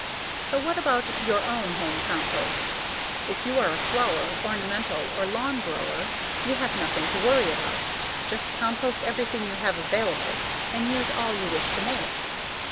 So what about your own home compost? If you are a flower, ornamental, or lawn grower, you have nothing to worry about. Just compost everything you have available and use all you wish to make.